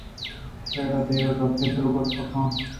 فریڈا دگہ گپے دلگوش بہ کن